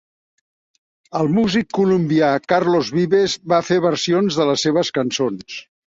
El músic colombià Carlos Vives va fer versions de les seves cançons.